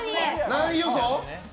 何位予想？